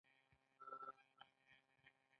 پانګوال یوازې د ډېرې ګټې په فکر کې وو